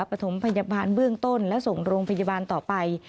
ประถมพยาบาลเบื้องต้นและส่งโรงพยาบาลต่อไป